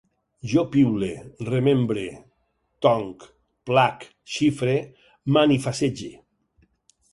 Jo piule, remembre, tonc, plac, xifre, manifassege